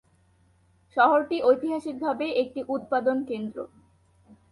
শহরটি ঐতিহাসিকভাবে একটি উৎপাদন কেন্দ্র।